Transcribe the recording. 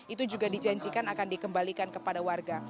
itu juga dijanjikan akan dikembalikan kepada warga